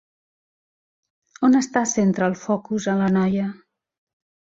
On està centra el focus en la noia?